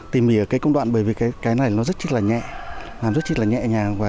tỉ mỉ ở công đoạn bởi vì cái này nó rất chít là nhẹ làm rất chít là nhẹ nhàng